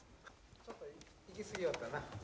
ちょっと行き過ぎよったな。